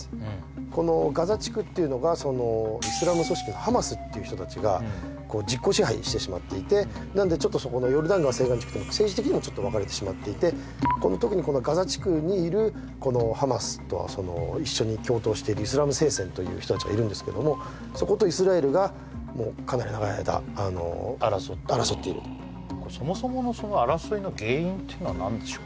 このガザ地区っていうのがそのイスラム組織のハマスっていう人達がこう実効支配してしまっていてなのでちょっとそこのヨルダン川西岸地区とも政治的にもちょっと分かれてしまっていてこの特にこのガザ地区にいるこのハマスと一緒に共闘しているイスラム聖戦という人達がいるんですけどもそことイスラエルがかなり長い間あの争っている争っているこれそもそものその争いの原因っていうのは何でしょう